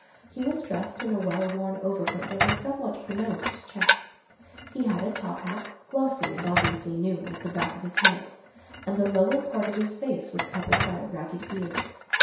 He was dressed in a well worn overcoat of a somewhat pronounced check, he had a top hat, glossy and obviously new, at the back of his head, and the lower part of his face was covered by a ragged beard.